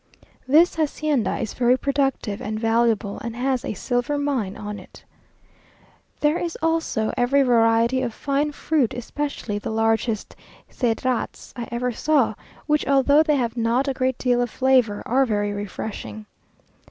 This hacienda is very productive and valuable, and has a silver mine on it. There is also every variety of fine fruit, especially the largest cedrats I ever saw; which, although they have not a great deal of flavour, are very refreshing.